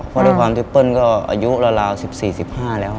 เพราะด้วยความที่เปิ้ลก็อายุราว๑๔๑๕แล้ว